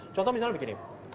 contoh misalnya begini